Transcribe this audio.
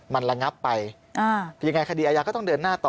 มันระงับไปยังไงคดีอาญาก็ต้องเดินหน้าต่อ